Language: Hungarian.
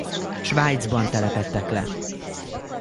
Svájcban telepedtek le.